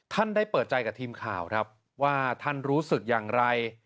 ท่านได้เปิดใจกับทีมข่าวครับว่าท่านรู้สึกอย่างไร